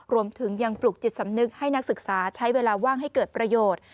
รวมถึงยังปลุกจิตสำนึกให้นักศึกษาใช้เวลาว่างให้เกิดประโยชน์